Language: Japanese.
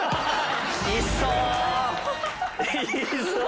いそう！